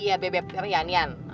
iya bebek pianian